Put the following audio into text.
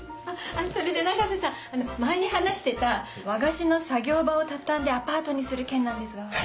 あっそれで永瀬さん前に話してた和菓子の作業場をたたんでアパートにする件なんですが。